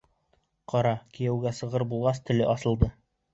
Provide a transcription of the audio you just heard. Ҡара, кейәүгә сығыр булғас, теле асылды!